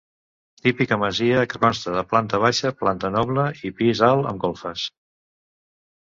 Típica masia que consta de planta baixa, planta noble i pis alt amb golfes.